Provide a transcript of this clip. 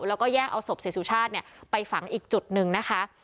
แล้วก็แยกเอาศพเสียสุชาติไปฝังอีกจุดหนึ่งนะคะ